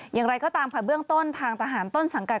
อย่างไรก็ตามค่ะเบื้องต้นทางทหารต้นสังกัด